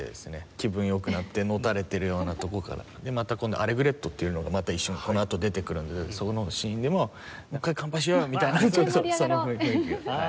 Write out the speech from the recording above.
気分良くなってのたれてるようなとこから今度アレグレットっていうのがまた一瞬このあと出てくるんでそこのシーンでも「もう一回乾杯しようよ」みたいなそういう雰囲気が。